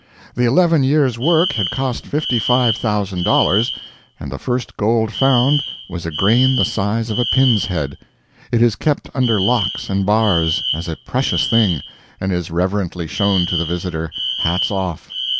The eleven years' work had cost $55,000, and the first gold found was a grain the size of a pin's head. It is kept under locks and bars, as a precious thing, and is reverently shown to the visitor, "hats off."